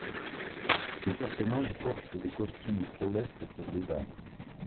Ces personnages portent des costumes trop lestes pour des dames…